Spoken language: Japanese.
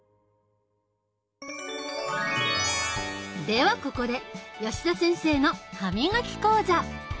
ではここで吉田先生の歯みがき講座。